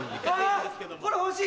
これ欲しい！